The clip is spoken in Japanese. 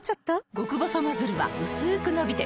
極細ノズルはうすく伸びて